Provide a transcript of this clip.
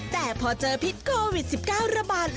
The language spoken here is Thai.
แต่พอเจอพิษโควิด๑๙ระบาด